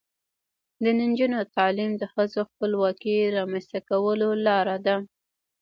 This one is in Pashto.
د نجونو تعلیم د ښځو خپلواکۍ رامنځته کولو لاره ده.